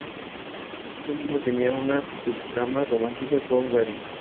Este último tenía una subtrama romántica con Gary.